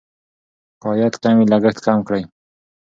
که عاید کم وي لګښت کم کړئ.